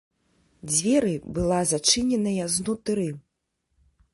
Дзверы была зачыненая знутры.